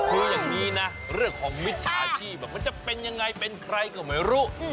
คืออย่างนี้นะเรื่องของมิจฉาชีพมันจะเป็นยังไงเป็นใครก็ไม่รู้